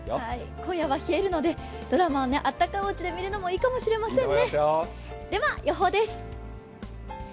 今夜は冷えるのでドラマをあったかいおうちで見るのもいいかもしれませんね。